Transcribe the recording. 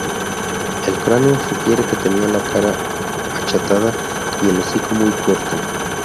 El cráneo sugiere que tenía la cara achatada y el hocico muy corto.